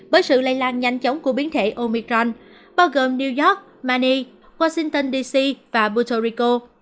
bởi sự lây lan nhanh chóng của biến thể omicron bao gồm new york mani washington dc và bot rico